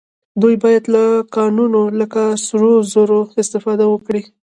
دوی باید له کانونو لکه سرو زرو استفاده وکړي